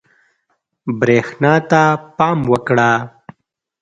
برېښنا ته پام وکړه.